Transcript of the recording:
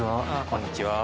こんにちは。